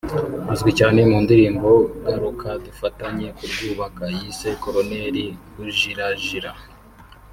Azwi cyane mu ndirimbo “Garuka dufatanye kurwubaka” yise “Koloneri Ujirajira